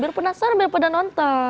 biar penasaran biar pada nonton